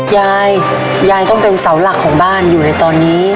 ยายยายต้องเป็นเสาหลักของบ้านอยู่ในตอนนี้